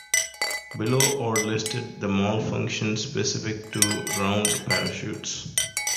Below are listed the malfunctions specific to round parachutes.